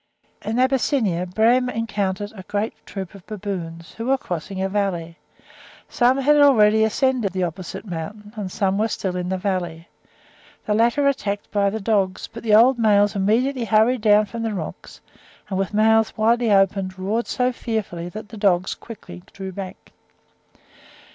In Abyssinia, Brehm encountered a great troop of baboons who were crossing a valley: some had already ascended the opposite mountain, and some were still in the valley; the latter were attacked by the dogs, but the old males immediately hurried down from the rocks, and with mouths widely opened, roared so fearfully, that the dogs quickly drew back.